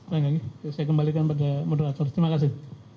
saya kembalikan kepada moderator terima kasih